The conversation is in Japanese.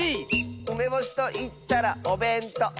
「うめぼしといったらおべんとう！」